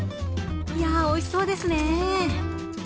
いやあ、おいしそうですね。